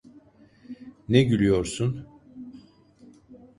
Ne gülüyorsun?